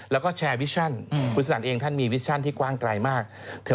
แล้วก็แชร์วิชั่นคุณสนั่นเองท่านมีวิชชั่นที่กว้างไกลมาก